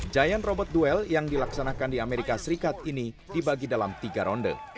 giant robot duel yang dilaksanakan di amerika serikat ini dibagi dalam tiga ronde